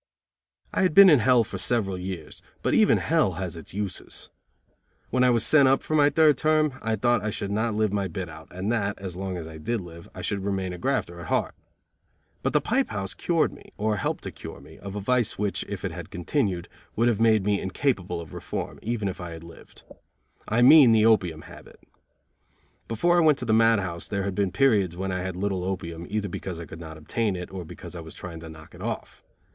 I had been in hell for several years; but even hell has its uses. When I was sent up for my third term, I thought I should not live my bit out, and that, as long as I did live, I should remain a grafter at heart. But the pipe house cured me, or helped to cure me, of a vice which, if it had continued, would have made me incapable of reform, even if I had lived. I mean the opium habit. Before I went to the mad house there had been periods when I had little opium, either because I could not obtain it, or because I was trying to knock it off.